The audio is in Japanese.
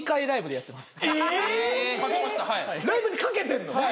ライブにかけてんの？